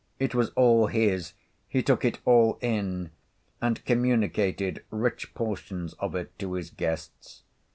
It was all his, he took it all in, and communicated rich portions of it to his guests.